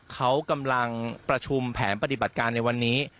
เขากำลังประชุมแผนปฏิบัติการในวันนี้